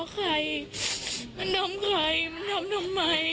ว่าได้เอาลองเท้าใครมันทำใครทำทำไม